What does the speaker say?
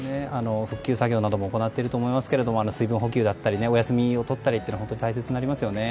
復旧作業なども行っていると思いますけれども水分補給やお休みをとったり本当に大切になりますね。